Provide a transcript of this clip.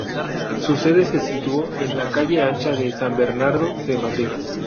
Su sede se situó en la "calle Ancha de San Bernardo" de Madrid.